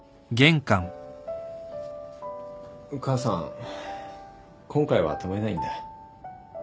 母さん今回は止めないんだ。